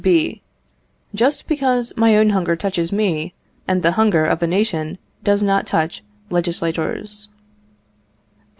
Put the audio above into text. B. Just because my own hunger touches me, and the hunger of a nation does not touch legislators.